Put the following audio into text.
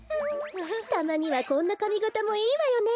たまにはこんなかみがたもいいわよね。